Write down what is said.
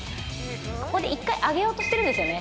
ここで一回上げようとするんですよね。